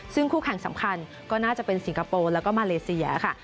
ซึ่งคู่แข่งสำคัญก็น่าจะเป็นสิงคโปร์แล้วก็มาเลเซียค่ะ